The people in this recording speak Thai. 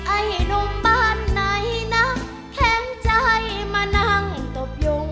ไอ้หนุ่มบ้านไหนนะแขนใจมานั่งตบยุง